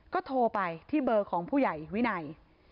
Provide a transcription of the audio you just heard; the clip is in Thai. ก็โทรไปที่เบอร์ของผู้ใหญ่วินัย